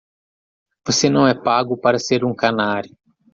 Você não é pago para ser um canário.